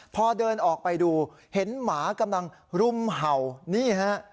พอเดินออกไปดูเห็นหมากำลังรุมเห่านี่ฮะ